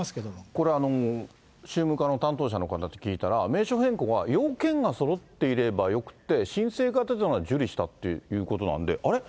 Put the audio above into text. これ、宗務課の担当者の方に聞いたら、名称変更は要件がそろっていればよくて、申請が出たので受理したっていうことなんで、あれ？